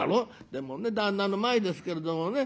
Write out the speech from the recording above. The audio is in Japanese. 「でもね旦那の前ですけれどもね